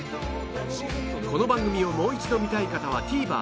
この番組をもう一度見たい方は ＴＶｅｒ で